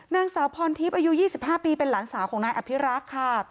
นางสาวพรทิพย์อายุ๒๕ปีเป็นหลานสาวของนายอภิรักษ์ค่ะ